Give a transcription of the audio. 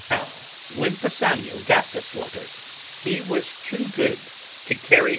Now when Pisanio got this letter he was too good to carry out IMOGEN.